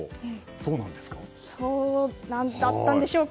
そうだったんでしょうか。